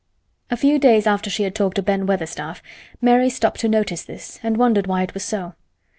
A few days after she had talked to Ben Weatherstaff, Mary stopped to notice this and wondered why it was so.